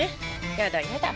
やだやだ。